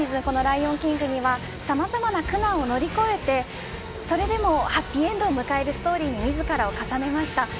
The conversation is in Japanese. このライオンキングにはさまざまな苦難を乗り越えてそれでもハッピーエンドを迎えるストーリーに自らを重ねました。